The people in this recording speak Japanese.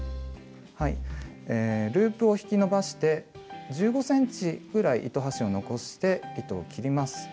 ループを引き伸ばして１５ｃｍぐらい糸端を残して糸を切ります。